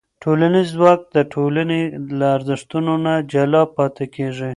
ټولنیز ځواک د ټولنې له ارزښتونو نه جلا نه پاتې کېږي.